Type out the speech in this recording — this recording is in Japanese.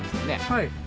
はい。